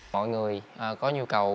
mọi người có nhu cầu